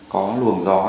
có luồng gió